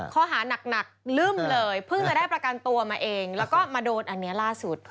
ข้อหานักลึ่มเลยเพิ่งจะได้ประกันตัวมาเองแล้วก็มาโดนอันนี้ล่าสุด